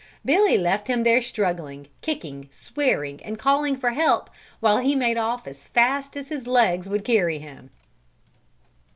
Billy left him there struggling, kicking, swearing and calling for help while he made off as fast as his legs would carry him.